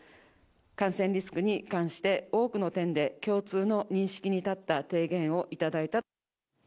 感染リスクに関して、多くの点で共通の認識にたった提言を頂いた。